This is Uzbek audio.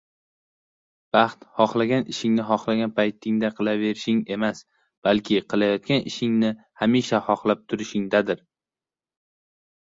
Baxt xohlagan ishingni xohlagan paytingda qilaverishing emas, balki qilayotgan ishingni hamisha xohlab turishingdadir.